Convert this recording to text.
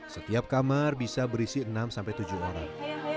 setiap kamar bisa berisi enam sampai tujuh orang